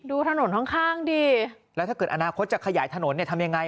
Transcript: ดูถนนข้างข้างดีแล้วถ้าเกิดอนาคตจะขยายถนนเนี่ยทำยังไง